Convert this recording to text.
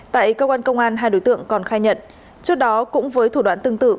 tại cơ quan công an hai đối tượng còn khai nhận trước đó cũng với thủ đoạn tương tự